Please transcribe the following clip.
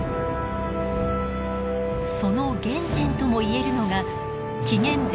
その原点とも言えるのが紀元前